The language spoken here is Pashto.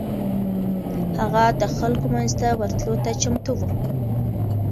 هغه د خلکو منځ ته ورتلو ته چمتو و.